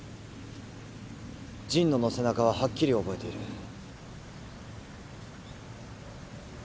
神野の背中ははっきり覚えている。